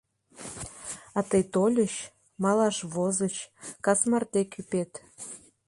А тый тольыч, малаш возыч, кас марте кӱпет.